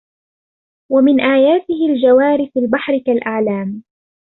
ومن آياته الجوار في البحر كالأعلام